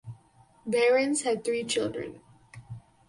Behrens had three children.